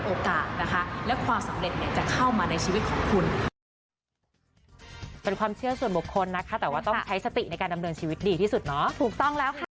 โอกาสนะคะและความสำเร็จเนี่ยจะเข้ามาในชีวิตของคุณค่ะ